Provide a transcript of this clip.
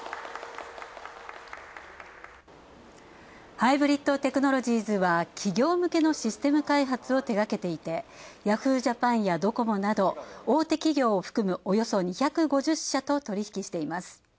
ハイブリッドテクノロジーズは、企業向けのシステム開発を手がけていて、Ｙａｈｏｏ！ＪＡＰＡＮやドコモなど大手企業を含む、およそ２５０社と取り引きしています。